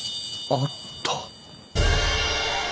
あった！